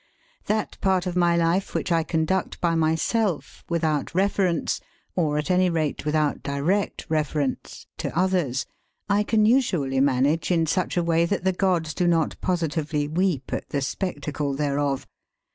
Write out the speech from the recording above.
That part of my life which I conduct by myself, without reference or at any rate without direct reference to others, I can usually manage in such a way that the gods do not positively weep at the spectacle thereof.